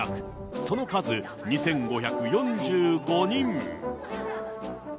その数２５４５人。